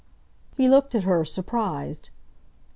He looked at her, surprised.